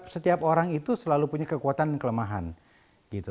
setiap orang itu selalu punya kekuatan dan kelemahan gitu